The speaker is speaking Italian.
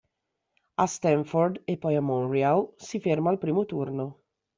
A Stanford, e poi a Montreal, si ferma al primo turno.